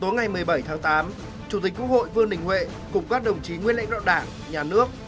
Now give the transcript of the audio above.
năm hai nghìn một mươi bảy tháng tám chủ tịch quốc hội vương đình huệ cùng các đồng chí nguyên lãnh đạo đảng nhà nước